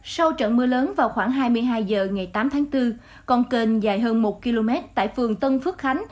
sau trận mưa lớn vào khoảng hai mươi hai h ngày tám tháng bốn con kênh dài hơn một km tại phường tân phước khánh